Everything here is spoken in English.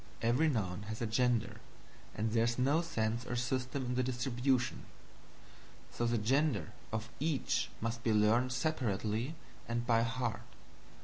Every noun has a gender, and there is no sense or system in the distribution; so the gender of each must be learned separately and by heart.